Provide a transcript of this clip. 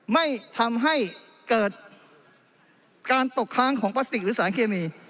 ไม่ทำให้เกิดการตกค้างของพลาสติกหรือสารเคมี